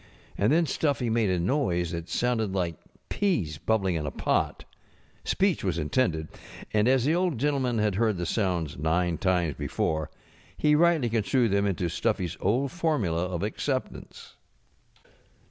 And then Stuffy made a noise that sounded like peas bubbling in a pot. Speech was intended; and as the Old Gen┬¼ tleman had heard the sounds nine times before, he 5┬« The Trimmed 'Lamp 'Tightly construed them into StufPjŌĆÖs old formula of acceptance.